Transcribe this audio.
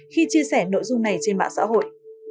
khi chia sẻ nội dung này trên mạng xã hội